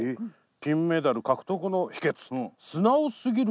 金メダル獲得の秘訣が聞ける。